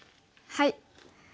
はい。